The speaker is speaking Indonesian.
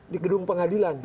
di gedung pengadilan